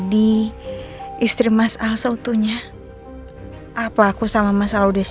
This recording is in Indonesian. beli minuman dulu deh